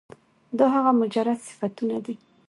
دا هغه مجرد صفتونه دي